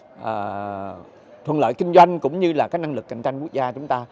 không thuận lợi kinh doanh cũng như là các năng lực cạnh tranh quốc gia chúng ta